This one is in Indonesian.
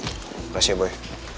terima kasih ya boy